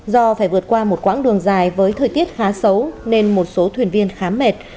do phải vượt qua một quãng đường dài với thời tiết khá xấu nên một số thuyền viên khá mệt